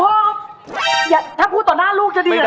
พ่ออย่าถ้าพูดต่อหน้าลูกจะดีเหรอครับ